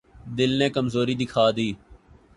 دل نے کمزوری دکھا دی۔